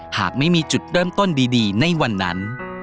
หากไม่มีจุดเริ่มต้นดีในวันนั้น